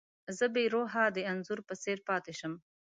زه بې روحه د انځور په څېر پاتې شم.